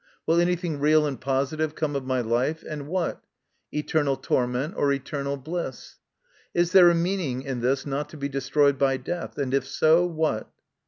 Will anything real and positive come of my life, and what ? Eternal torment, or eternal bliss. Is there a meaning in life not to be destroyed by death, and, if so, what